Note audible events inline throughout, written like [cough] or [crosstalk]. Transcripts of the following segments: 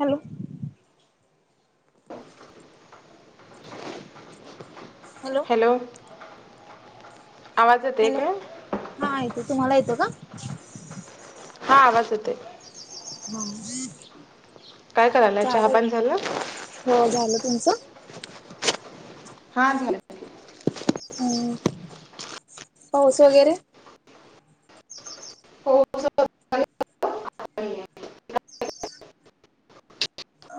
Hello! Hello! Hello आवाज येतोय hello काय? हा येतोय, तुम्हाला येतोय का? हा आवाज येतोय. [inaudible] काय करायला चालेल चहापान झालं? हो झालं तुमचं? हा झालं. हम्म पाऊस वगैरे? [unintelligible]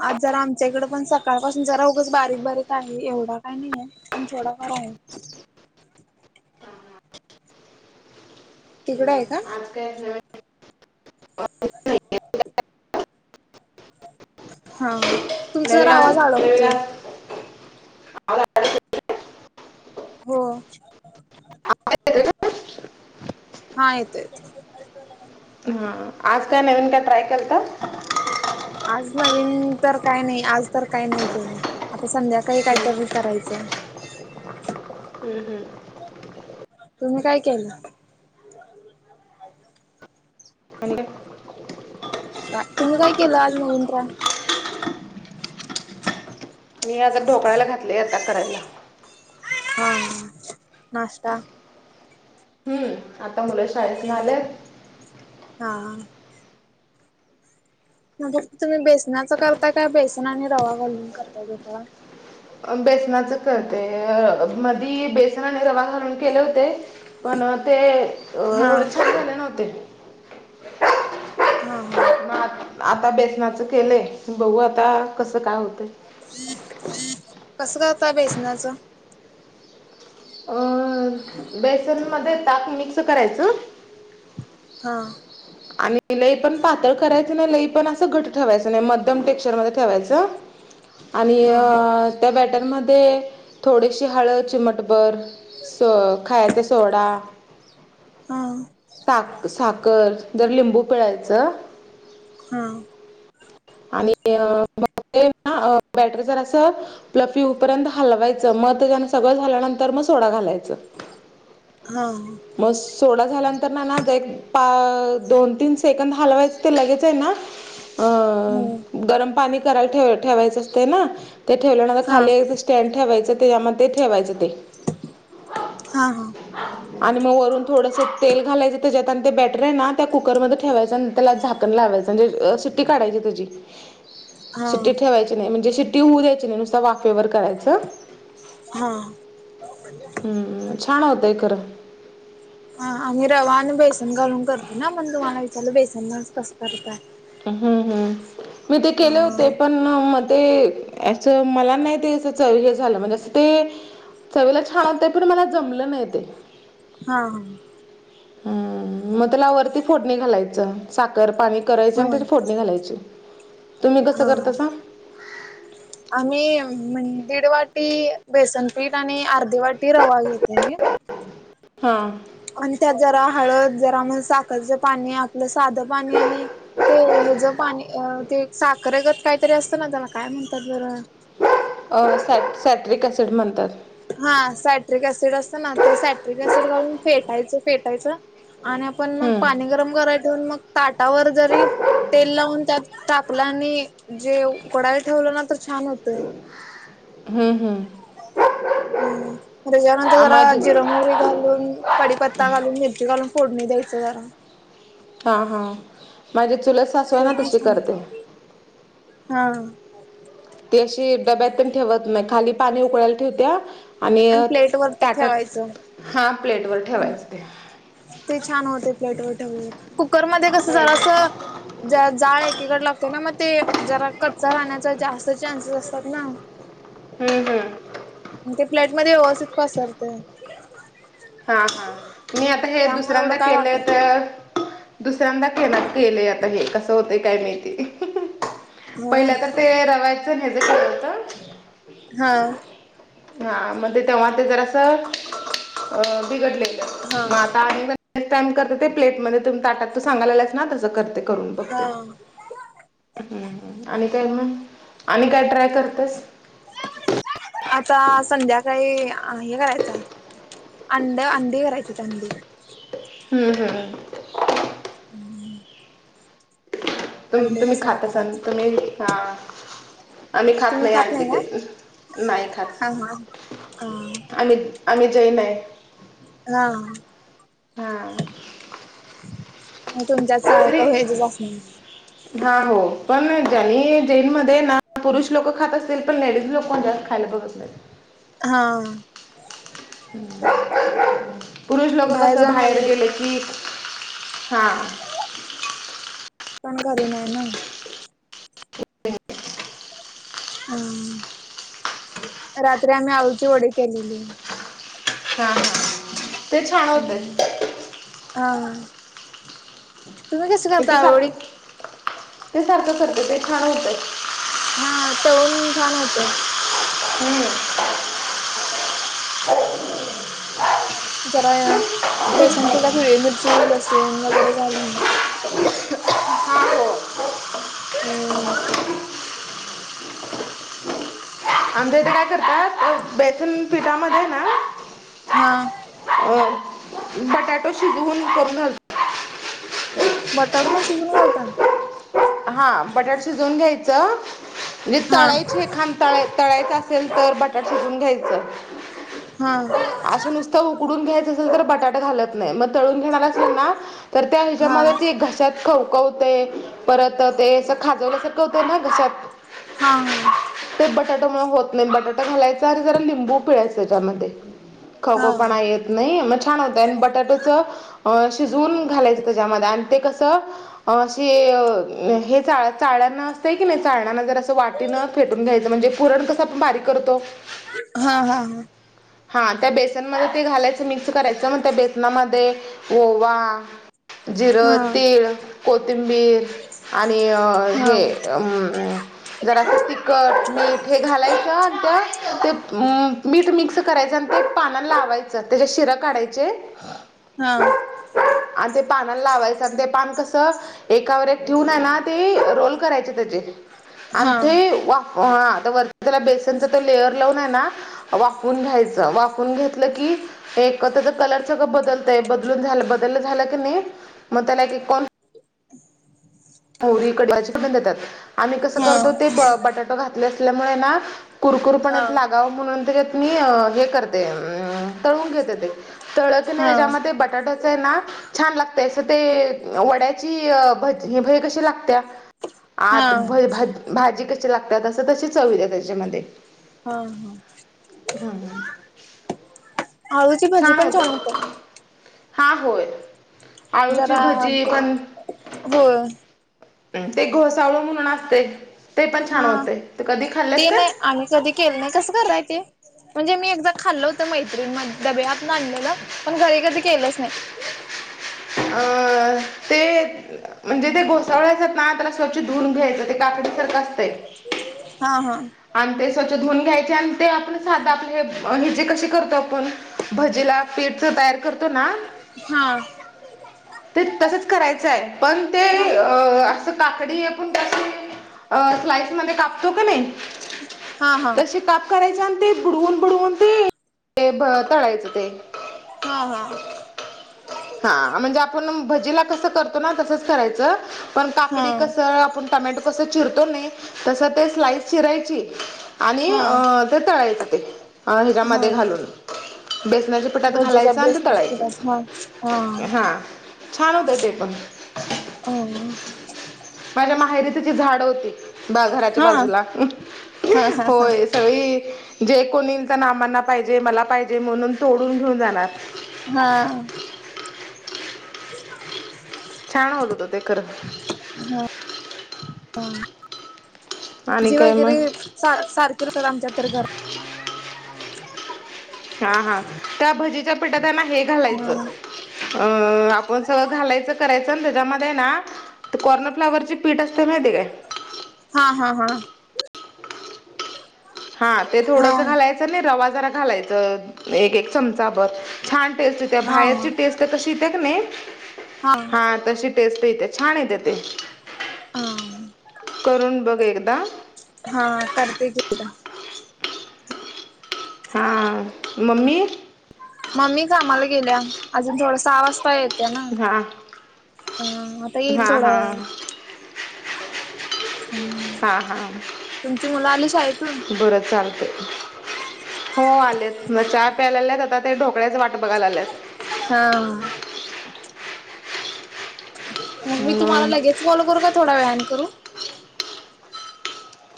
आज जरा आमच्याकडे पण सकाळ पासून जरा उगच बारीक बारीक आहे एवढा काही नाहीय. पण थोडाफार आहे. तिकड आहे का? आज काय नवीन? हा तुमचा जरा नवीन आज आवाज नवीन अडखतोय. आज हो हा येते येते. हा आज काय नवीन काय ट्राय केलतात? आज नवीन तर काय नाही आज तर काय नाही केलं आता संध्याकाळी काही कायतरी करायचं. हम्म हम्म. तुम्ही काय केलं? अंड का तुम्ही काय केला आज नवीन ट्राय? मी आता ढोकळायाला घातले आता करायला. हां नाश्ता. हम्म आता मुलं शाळचनं आल्यात. हां. तुम्ही बेसनाचं करताय काय बेसन आणि रवा घालून करताय ढोकळा? बेसनाच करते मधी बेसन आणि रवा घालून केले होते. पण ते अ हा एवढे छान झाले नव्हते. हा हा. म आ आता बेसनाचं केलंय बघु आता कसं काय होतय. कसं करता बेसनाचं? अ बेसन मध्ये ताक मिक्स करायचं हां. आणि लई पण पातळ करायच ना लई पण असं घट्ट ठेवायचं नाही मध्यम टेक्स्चर मध्ये ठेवायचं. ह. आणि हा अ त्या बॅटरमध्ये थोडीशी हळद चीमटभर स खायचा सोडा हा सा साखर जर लिंबू पिळायचं हा. आणि [inaudible] आहे ना बॅटर जरासा प्लफी उपर्यंत हलवायचं मग त्या त्याने सगळं झाल्यानंतर मग सोडा घालायचं. हा. मग सोडा झाल्यानंतर ना ना दे ता एक दोन तीन सेकंद हलवायचं ते लगेच आहे ना आं हम्म गरम पाणी कराय ठेवाय ठेवायचं असते ना ते ठेवल्या ना ग हा खाली आहे ते स्टँड ठेवायचं त्याच्यामध्ये ठेवायचं ते. हां हां. आणि मग वरून थोडंसं तेल घालायचं त्याच्यात आणि ते बॅटर आहे ना त्या कुकरमध्ये ठेवायचं आन त्याला झाकण लावायचं म्हणजे सीट्टी काढयची त्याजी हा शिट्टी ठेवायची नाही, म्हणजे शिट्टी होऊ द्यायची नाही, नुसता वाफेवर करायचं. हां. हम्म छान होतंय खरं हां आणि रवा आणि बेसन घालून करतो ना मण तुम्हाला च्याला बेसना नाय कसं करता? हम्म, हम्म, मी ते केले होते. ते पण म ते असं मला नाही त्याचं हे झालं म्हणजे असं ते चवीला छान होतं, पण मला जमलं नाहीे. ते हां, हम्म, मग त्याला वरती फोडणी घालायचं. साखर पाणी करायचं हा आणि त्या फोडणी घालायची. हां.. ह.. [unintelligible] आम्ही दीड वाटी बेसनपीठ आणि अर्धे वाटी रवा घेते मी. हां. आणि त्यात जरा हळद जरा म साखरचं पाणी आपलं साधं पाणी आणि.. ते ह्याच पाणी ते साखरेगत काहीतरी असतं ना त्याला काय म्हणतात बरं... अ स सॅट्रिक सिड म्हणतात. हा सायट्रिक ऍसिड असतं ना ते सायट्रिक ऍसिड घालून फेटायचं. फेटायचं. आणि आपण मग हम्म पाणी गरम करायचं, मग ताटावर जरी तेल लावून त्यात तापला आणि जे उकडाय ठेवलं ना तर छान होतंय. हम्, हम्म.. हम्म, त्याच्यानंतर आ जरा माझी जिरं म्हवरी घालून पडीपत्ता घालून, मिरची घलून, फोडून द्यायचं जरा.. हां, हां, माझे चुलत सा ते पण हां.. [unintelligible] ती अशी डब्यात पण ठेवत नाही. खाली पाणी उकळायला ठेवत्या. आणि प्लेट वरती ताटात ठेवायचं हां प्लेटवर ठेवायचं ते. ते छान होते. प्लेट वर ठेवून कुकर मध्ये कसं जरास.. ज्या जाळ एकीकड लागतो. ना मग ते जरा कच्चा राहण्याचा जास्त चान्सेस असतात. ना हम्म, हम्.. ते प्लेट मध्ये व्यवस्थित पसरते. हां, हां, मी आता हे त्यामुळे एवढं दुसऱ्यांदा काय केलंय वाटत तर.. दुसऱ्यांदा के केलेय आता हे कसं होतंय काय माहिती.. हा पहिल्यांदा [unintelligible] ते रवायचं का होत. हां.. हां मण तेव्हा ते जर असं बिघडलेलं हा म आता आणि.. नेक्स्ट टाइम करते ते प्लेट ममध्ये त ताटात तू सांगायलायस ना तसं करते. करून [unintelligible] बघते, हा आणि काय मग आणि काय ट्राय करतेस. आता संध्याकाळी हे करायचा.. अंड, अंडी करायचे अडी हम्, हम्.. हम्.. [inaudible] तुम तुम्ही मसाला खाता असल करायचा तुम्ही हां.. आम्ही खात नाही अंडी ते, नाही खात हा हा हा आम्हीओ. आम्ही जैन आहे. हा. हम. तुमच्यात तरी सारखं व्हेज असते. हा हो पण ज्यांनी जैनमध्ये ना पुरुष लोक खात असतील पण लेडीज लोक म्हण जात. ॅलभघसलं. [unintelligible] हा. पुरुष लोक कस जाऊन बाहेर वगैरे गेले की. हा. पण करण आहे ना. [unintelligible] [unintelligible] हम्म. रात्री आम्ही अळू ची वडी केलेली. हा. ते छान होतं हा. तुम्ही कस मी करता अळू वडी? ते सारखं सारखं ते छान होतय. हा. तळून छान होतय. हम्म. [inaudible] जरा यात बेसण पिठात हिरवी मिरची, लसूण वगैरे घालून हा हो हो. आमच्या इथे काय करतात आ बेसन पीठामध्ये ना हा. अ बटाटो शिजवून करून बटाटू पण शिजवून घालता? हा. बटाट शिजून घ्यायचं म्हणजे हा तळायचे खां तळायच असेल तर बटाट शिजून घ्यायचं हा असं नुस उकडून घ्यायचं असेल तर बटाटा घालत नाही, मग तळून घेणार असलं ना तर त्या हा हिच्यामध्ये ती घशात खवकवतय. परत ते असं खाजवलं स होतंय ना घशात. हा हा. ते बटाटा मुळ होत नाही बटाटा घालायच आणि जरा लिंबू पिळायच त्याच्यामध्ये. हा हा खवखवपणा येत नाही. म छान होत आणि बटाटोच शिजवून घालायचं त्याच्यामध्ये आणि ते कसं हा. शिय हे चाळ चाळण असतंय की नाही चाळण्यांन जर असं वाटीनं फेटून घ्यायचं म्हणजे पुरण कसं आपण बारीक करतो. हा हा हा. हा. त्या बेसनमध्ये ते घालायचं मिक्स करायचं, मग त्या बेसनामध्ये ओवा जीर, हा तीळ कोथिंबीर आणि हा हा हे जरास तिखट, मीठ हे घालायचं त्या ते मीठ मिक्स त्याच्यानं ते पाना लावायचं त्याच्या शिरा काढायचे हा. आणि ते पानाला लावायचं आणि ते पान कस एकावर एक ठीवू नाही ना ते रोल करायचे त्याचे आणि हा ते वाफ हा. तर वरती त्याला बेसनच त लेअर लावून आहे ना वाफवून घ्यायचं वाफवून घेतलं की एक त्याच कलर सगळं बदलतय, बदलून झा बदल झालं की नाही मग त्याला एक [unintelligible] मोहरी कडाचिन देतात. आम्ही कसं करतो ते ब बटाटो घातले असल्यामुळे ना कुरकुर हा पणीत लागावं म्हणून त्याच्यात मी हे करते हं तळून घेते. ते तळ कणी हा त्याच्यामध्ये बटाटा छान लागत ते वड्याची भज ह भय कशी लागत्या आत हा भ भाजी कशी लागतात असं तशी चव येतय त्याच्यामध्ये. हा हा. आळूची भाजी छान पण होते. हा होय. आळूची भजी पण हो. ते घोसावळ म्हणून असतय ते पण छान हा होतय. ते कधी खाल्लेस ते काय? नाही आम्ही कधी केलं नाही कसं कराय ते? म्हणजे मी एकदा खाल्ल होतं. मैत्रीण म डब्यातन आणलेलं पण घरी कधी केलंच नाही. अ ते म्हणजे ते घोसावळ्याचं हायत ना त्याला स्वच्छ धुऊून घ्यायचं ते काकडीसारखं असतंय. हा हा. आणि ते स्वच्छ धुऊन घ्यायचे आणि ते आपण साधा आपले हे हेजे कसे करतो आपण भजीला पीठ जो तयार करतो ना हा ते तसंच करायचं आहे पण ते अ असं काकडी आपण [unintelligible] अ स्लायस मध्ये कापतो क नाही हा हा तसे काप - करायच आणि ते बुडवून बुडवून ते ब तळायचं ते हा हा हा म्हणजे आपण भजीला कसं करतो ना तसंच करायचं पण हा हा काकडी कस आपण टमॅटो कस चिरतो नी तसं ते स्लाइस चिरायची आणि हा अ ते तळायच ते ह्याच्यामध्ये घालून- बेसनाच्या पिठात भजे ज्यात घालायचं आणि ते बेसनच्या तळायचं पिटात हा छान होतं ते पण आ अ माझ्या माहेरी त्येची झाड होती घराच्या बाजूला हा हा हा होय. सगळी जे कोणी येईल ते ना मांना पाहिजे मला पाहिजे म्हणून तोडून घेऊन जाणार हा [unintelligible] छान होत होत ते खर- भजे वगैरे मग सां सारखे लागतात आमच्या तर घरा हा हा त्या भजीच्या पिठात हाय ना हे घालायचं घर अं आपण सगळं घालायचं करायचं ना त्याच्यामध्ये ना ते कॉर्नफ्लाॉवरची पीठ असते माहिती ये काय हा हा हा हा ते हा थोडंस घालायचं आणि रवा जरा घालायचं एक एक चमचाभर छान टेस्ट येत्या हा भायरची टेस्ट कशी येत्या क नाही हा तशी टेस्ट येते छान येते ते हा करून बघ एकदा हा करते की एकदा हां मम्मी मम्मी कामाला गेल्या अजून थोड सहा वाजता येत. त्या ना हां अ आता येईल हां थोडा हां वेळानं हा हा मुलं आली शाळेतून बरं चालतय हो आलेत मं चहा प्यायल्यालत आता ते ढोकळ्याच वाट बघायला आल्यात हा मग मी तुम्हाला लगेच कॉल करू का थोडा वेळानं करू.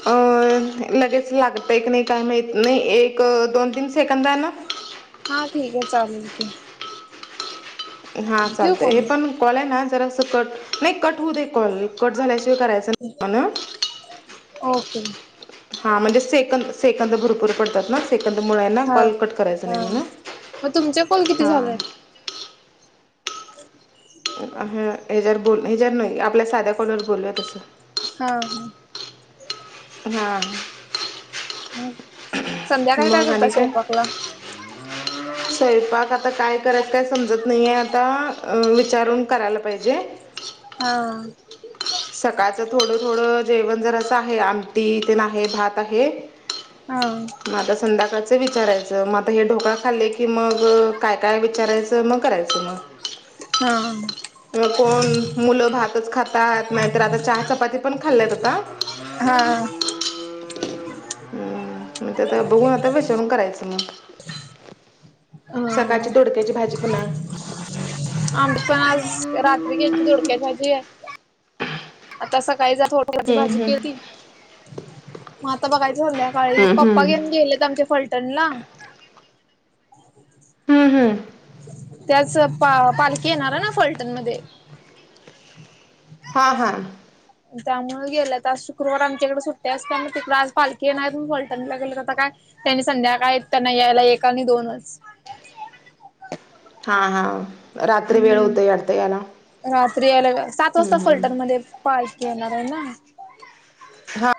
अ लगेच लागतंय का नाय काय माहीत नाही एक दोन तीन सेकंद नां हा ठीक आहे चालेल की हा ठेवू चालत हे फोन पण कॉल आहेय ना जरा कट नाही कट होऊ दे. कॉल कट झाल्याशिवाय करायच नाय म्हणं ओके. हा म्हणजे सेकंद सेकंद भरपूर पडतात ना सेकंद मुळायला हा कॉल कट करायचं हा नाय म्हण मग तुमचे कॉल किती हा झालेत [unintelligible] अ हच्यात बोल ह्याज्यात नाय आपल्या साध्या कोणावर बोलूया तसं सां ह हा नाय मग आणि काय स्वयंपाक आता काय करत काय समजत नाही आहे आता विचारून करायला पाहिजे. हा. सकाळचं थोडं थोडं जेवण जर असं आहे आमटी तेन आहे भात आहे. हा. मता संध्याकाळचं विचारायचं म आता हे ढोकळा खाल्ले की मग काय काय विचारायचं मग करायचं मग. हा. म कोण मुलं भातच खातात नाहीतर आता चहा चपाती पण खाल्ल्यात आता. हा. हम् मग ते तर बघून आता बेसवरून करायचं मग हा सकाळची दडोडक्याची भाजी पण आहे. आंबड पण आज रात्री घेतली धोडक्यात भाजी आहे आता सकाळी जा थोड फौज हम्म, वाज के हम्म. ती म आता बघायचं संध्याकाळी हम्म, पप्पा हम्म. घेऊन गेलेत आमच्या फलटणला. हम्म हम्. त्याच पा पालखी येणार आहे ना फलटणमध्येध्ये. हां हां. त्यामुळे गेलं तर आज शुक्रवार आमच्याकडे सुट्ट्या असते आणि तिकडं आज पालखी नाही पलटणीला गेले तर आता काय त्यांनी संध्याकाळ त्यां नाही यायला एक आणि दोनच. हा हा रात्री वेळ हम्म होते अढते याला. रात्री अलेव सात वाजता हम्म, फल्टर हम्म. मध्ये पक येणार आहे ना. हा.